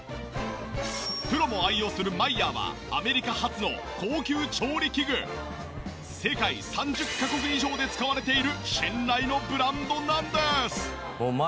プロも愛用するマイヤーは世界３０カ国以上で使われている信頼のブランドなんです。